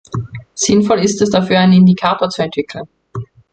Sinnvoll ist es, dafür einen Indikator zu entwickeln.